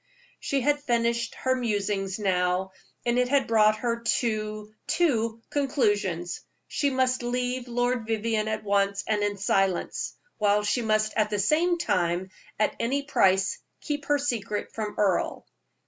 She had finished her musing now, and it had brought her to two conclusions: she must leave Lord Vivianne at once, and in silence, while she must at the same time, at any price, keep her secret from Earle.